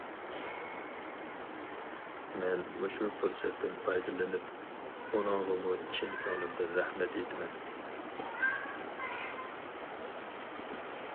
مەن مۇشۇ پۇرسەتتىن پايدىلىنىپ ئۇنىڭغىمۇ چىن كۆڭلۈمدىن رەھمەت ئېيتىمەن.